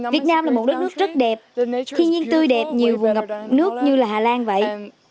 việt nam là một nước rất đẹp thiên nhiên tươi đẹp nhiều vùng nước như là hà lan vậy